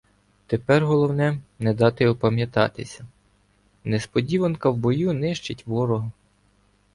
Тепер головне — не дати опам'ятатися: несподіванка в бою нищить ворога.